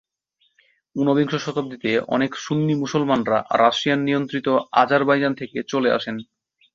ঊনবিংশ শতাব্দীতে, অনেক সুন্নি মুসলমানরা রাশিয়ান-নিয়ন্ত্রিত আজারবাইজান থেকে চলে আসেন।